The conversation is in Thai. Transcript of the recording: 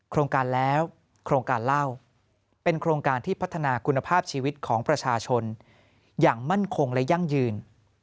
โครงการแล้วโครงการเล่าเป็นโครงการที่พัฒนาคุณภาพชีวิตของประชาชนอย่างมั่นคงและยั่งยืน